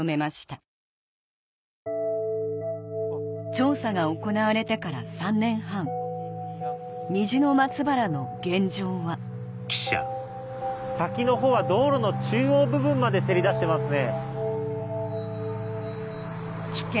調査が行われてから３年半虹の松原の現状は先の方は道路の中央部分までせり出してますね。